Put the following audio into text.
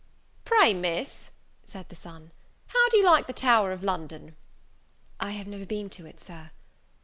"Pray, Miss," said the son, "how do you like the Tower of London?" "I have never been to it, Sir."